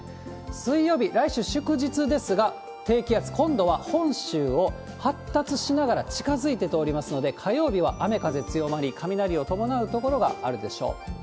水曜日、来週祝日ですが、低気圧、今度は本州を発達しながら近づいて通りますので、火曜日は雨、風強まり、雷を伴う所があるでしょう。